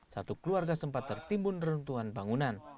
satu keluarga sempat tertimbun reruntuhan bangunan